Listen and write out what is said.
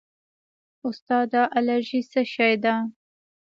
استاده الرژي څه شی ده